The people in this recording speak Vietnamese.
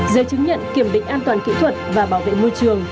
giới chứng nhận kiểm định an toàn kỹ thuật và bảo vệ môi trường